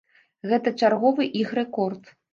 Гэта чарговы іх рэкорд.